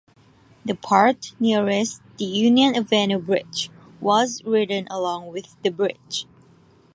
The part nearest the Union Avenue Bridge was redone along with the bridge.